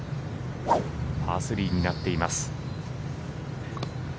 パー３になっています。